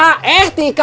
gitu pakai h etika